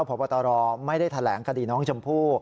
พบตรไม่ได้แถลงคดีน้องชมพู่